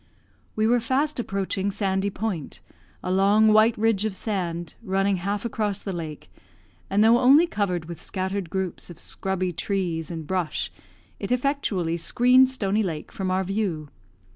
We were fast approaching Sandy Point, a long white ridge of sand, running half across the lake, and though only covered with scattered groups of scrubby trees and brush, it effectually screened Stony Lake from our view.